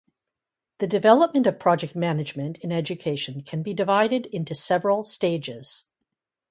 The development of project management in education can be divided into several stages.